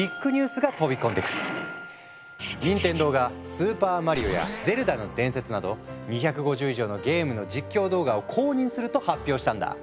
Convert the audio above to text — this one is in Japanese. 任天堂が「スーパーマリオ」や「ゼルダの伝説」など２５０以上のゲームの実況動画を公認すると発表したんだ。